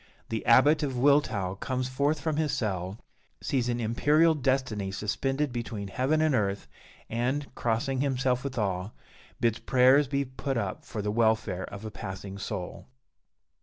The Abbot of Wiltau comes forth from his cell, sees an imperial destiny suspended between heaven and earth, and, crossing himself with awe, bids prayers be put up for the welfare of a passing soul.